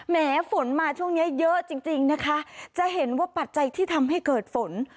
แม้ฝนมาช่วงนี้เยอะจริงจริงนะคะจะเห็นว่าปัจจัยที่ทำให้เกิดฝน